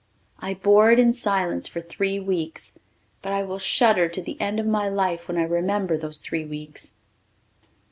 I bore it in silence for three weeks, but I will shudder to the end of my life when I remember those three weeks.